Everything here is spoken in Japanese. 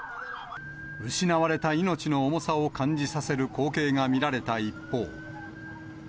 失われた命の重さを感じさせる光景が見られた一方。